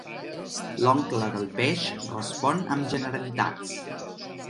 L'oncle del peix respon amb generalitats.